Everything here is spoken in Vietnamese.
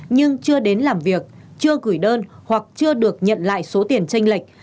nhưng chưa đến làm việc chưa gửi đơn hoặc chưa được nhận lại số tiền tranh lệch